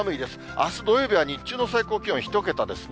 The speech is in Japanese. あす土曜日の日中の最高気温、１桁ですね。